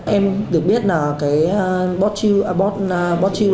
em được biết là cái botchiu này là một dạng thuốc lá điện tử được tẩm chất kích thích